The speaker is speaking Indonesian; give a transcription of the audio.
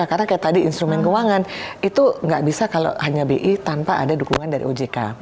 karena kayak tadi instrumen keuangan itu nggak bisa kalau hanya bi tanpa ada dukungan dari ojk